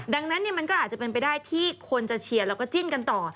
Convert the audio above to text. ดังนั้นมันก็อาจจะเป็นไปได้ที่คนจะเชียร์แล้วก็จิ้นกันต่อ